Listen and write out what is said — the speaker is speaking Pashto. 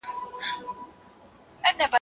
خر که هر څه په ځان غټ وو په نس موړ وو